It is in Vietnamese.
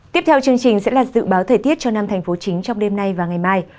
tiếp theo chương trình sẽ là dự báo thời tiết cho năm thành phố chính trong đêm nay và ngày mai